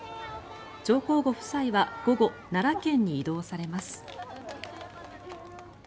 上皇ご夫妻は午後奈良県に移動されます。